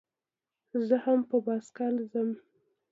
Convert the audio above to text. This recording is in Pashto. زه هم په بایسکل ځم.